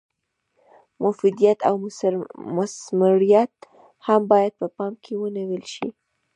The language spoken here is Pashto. مفیدیت او مثمریت هم باید په پام کې ونیول شي.